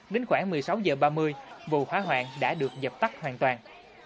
đến khoảng một mươi sáu h ba mươi vụ hỏa hoạn đã được dập tắt hoàn toàn